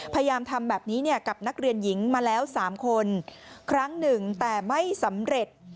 พยายามทำแบบนี้กับนักเรียนหญิงมาแล้ว๓คนครั้งหนึ่งแต่ไม่สำเร็จ